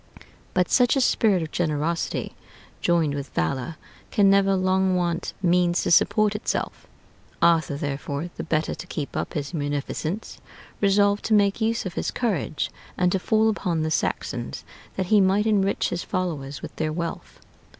But such a spirit of generosity, joined with valor, can never long want means to support itself. Arthur, therefore, the better to keep up his munificence, resolved to make use of his courage, and to fall upon the Saxons, that he might enrich his followers with their wealth.